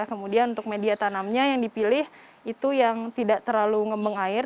kemudian untuk media tanamnya yang dipilih itu yang tidak terlalu ngembeng air